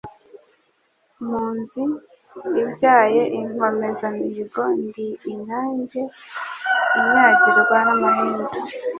Mpunzi ibyaye inkomezamihigoNdi inyange inyagirwa n' amahindu